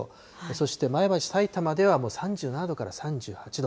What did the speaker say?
そして前橋、さいたまではもう３７度から３８度。